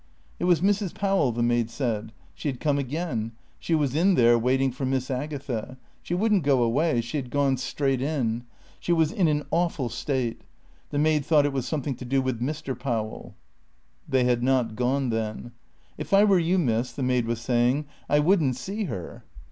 It was Mrs. Powell, the maid said. She had come again; she was in there, waiting for Miss Agatha. She wouldn't go away; she had gone straight in. She was in an awful state. The maid thought it was something to do with Mr. Powell. They had not gone, then. "If I were you, Miss," the maid was saying, "I wouldn't see her."